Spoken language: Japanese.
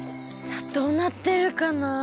さあどうなってるかな？